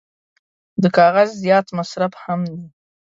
د کاغذ زیات مصرف هم دی.